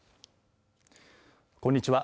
こんにちは。